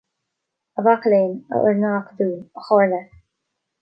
A mhaca léinn, a fhoirne acadúil, a chairde,